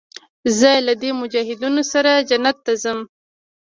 زه له دې مجاهدينو سره جنت ته ځم.